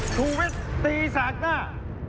ชูวิตตีแสกหน้า